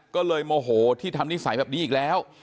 ก็เลยโมโหที่ทำนิสัยแบบนี้อีกแล้ว